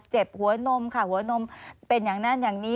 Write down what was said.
เจ็บหัวนมค่ะหัวนมเป็นอย่างนั้นอย่างนี้